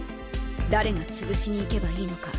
誰が潰しに行けばいいのか？